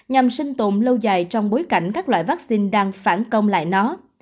nhằm sinh tồn lâu dài trong bối cảnh các loại vaccine đang phản công lại nó